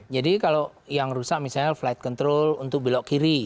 jadi kalau yang rusak misalnya flight control untuk belok kiri